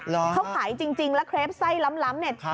เขาขายจริงแล้วเครปไส้ล้ำเนี่ย